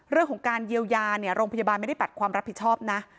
เรื่องของการเยียวยาเนี่ยโรงพยาบาลไม่ได้ปัดความรับผิดชอบนะ